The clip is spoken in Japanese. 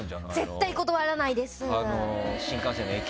絶対断らないです。